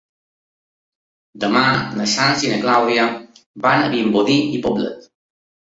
Demà na Sança i na Clàudia van a Vimbodí i Poblet.